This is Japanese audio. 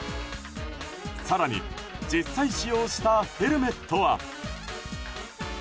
更に、実際使用したヘルメットは。